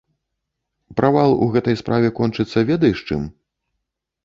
Правал у гэтай справе кончыцца ведаеш чым?